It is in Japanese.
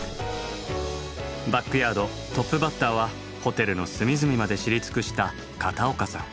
バックヤードトップバッターはホテルの隅々まで知り尽くした片岡さん。